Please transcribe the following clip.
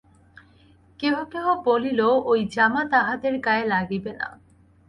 কেহ কেহ বলিল, ঐ জামা তাহাদের গায়ে লাগিবে না।